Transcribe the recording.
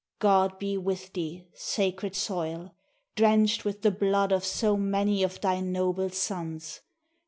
God be with thee, sacred soil ! drenched with the blood of so many of thy noble sons!